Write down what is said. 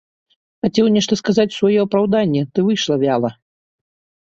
Хацеў нешта сказаць у сваё апраўданне, ды выйшла вяла.